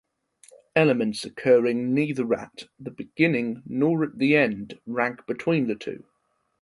Elements occurring neither at the beginning nor at the end rank between the two.